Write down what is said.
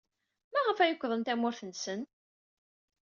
Maɣef ay ukḍen tamurt-nsent?